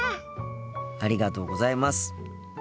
ありがとうございます。